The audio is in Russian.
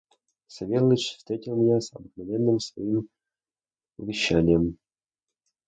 Савельич встретил меня с обыкновенным своим увещанием.